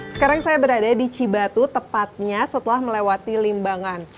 sekarang saya berada di cibatu tepatnya setelah melewati limbangan